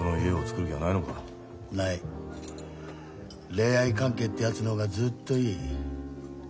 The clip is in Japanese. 恋愛関係ってやつの方がずっといい。